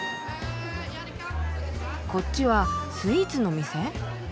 こっちはスイーツの店？